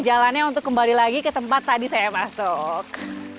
jalannya untuk kembali lagi ke tempat tadi saya masuk